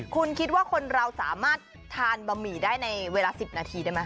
คุณคิดว่าคนเราสามารถทานบะหมี่ได้ในเวลา๑๐นาทีได้ไหม